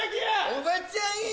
おばちゃんや！